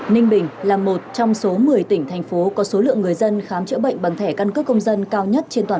ninh bình là một trong số một mươi tỉnh thành phố có số lượng người dân khám chữa bệnh bằng thẻ căn cứ công dân